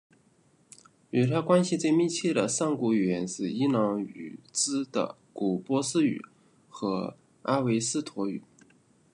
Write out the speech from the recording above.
与它关系最密切的上古语言是伊朗语支的古波斯语和阿维斯陀语。